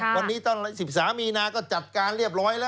วันนี้ตั้ง๑๓มีนาก็จัดการเรียบร้อยแล้ว